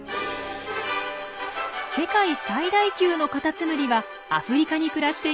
世界最大級のカタツムリはアフリカに暮らしています。